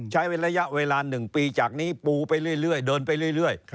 ใช้ระยะเวลา๑ปีจากนี้ปูไปเรื่อยเดินไปเรื่อย